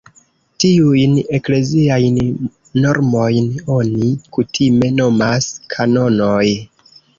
Tiujn ekleziajn normojn oni kutime nomas "kanonoj".